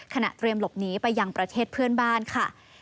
เตรียมหลบหนีไปยังประเทศเพื่อนบ้านค่ะ